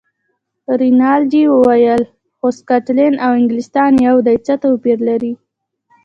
رینالډي وویل: خو سکاټلنډ او انګلیستان یو دي، څه توپیر لري.